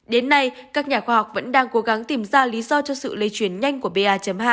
đến nay các nhà khoa học vẫn đang cố gắng tìm ra lý do cho sự lây chuyển nhanh của ba hai